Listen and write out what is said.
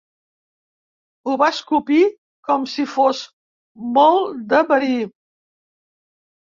Ho va escopir com si fos molt de verí.